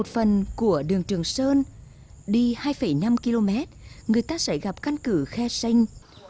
phần của đường trường sơn đi hai năm km người ta sẽ gặp căn cứ khe xanh